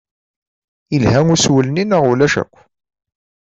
Yelha usmel-nni neɣ ulac akk?